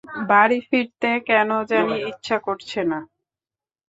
বাড়ি ফিরতে কেন জানি ইচ্ছা করছে না।